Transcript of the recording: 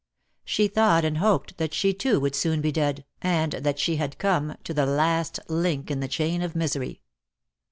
She thought and hoped that she too would soon be dead, and that she had come to the last link in the chain of misery.